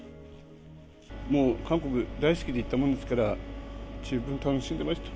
もう韓国が大好きで行ったものですから、十分楽しんでました。